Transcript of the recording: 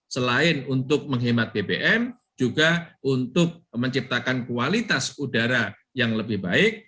selain untuk menghemat bbm juga untuk menciptakan kualitas udara yang lebih baik